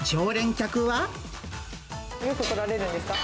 よく来られるんですか？